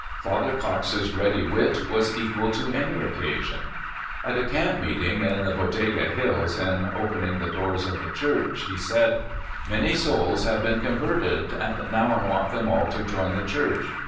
Father Cox's ready wit was equal to any occa sion. At a camp meeting in the Bodega Hills, in " opening the doors of the Church," he said : "Many souls have been converted, and now I want them all to join the Church.